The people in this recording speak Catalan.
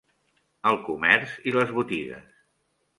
El comerç i les botigues.